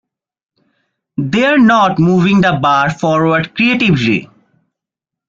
They're not moving the bar forward creatively.